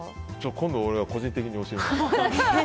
今度、俺が個人的に教えます。